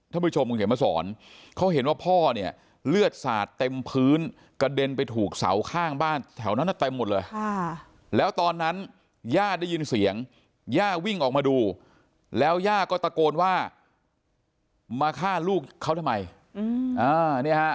ผู้ชมคุณเขียนมาสอนเขาเห็นว่าพ่อเนี่ยเลือดสาดเต็มพื้นกระเด็นไปถูกเสาข้างบ้านแถวนั้นเต็มหมดเลยแล้วตอนนั้นย่าได้ยินเสียงย่าวิ่งออกมาดูแล้วย่าก็ตะโกนว่ามาฆ่าลูกเขาทำไม